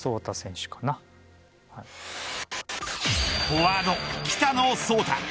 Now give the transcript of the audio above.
フォワード、北野颯太。